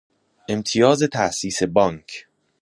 امتیاز تاسیس بانک